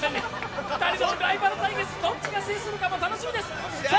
２人ともライバル対決、どっちが勝つのか楽しみです。